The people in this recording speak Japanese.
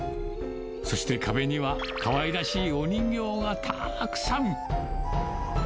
そして、壁にはかわいらしいお人形がたくさん。